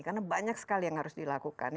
karena banyak sekali yang harus dilakukan